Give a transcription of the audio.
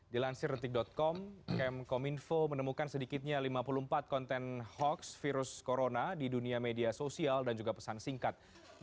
dilansir detik com kemkominfo menemukan sedikitnya lima puluh empat konten hoax virus corona di dunia media sosial dan juga pesan singkat